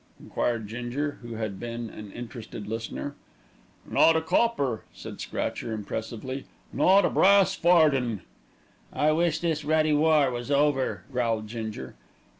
enquired Ginger, who had been an interested listener. "Not a copper," said Scratcher impressively, "not a brass farden." "I wish this ruddy war was over," growled Ginger.